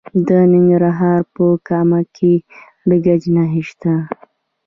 د ننګرهار په کامه کې د ګچ نښې شته.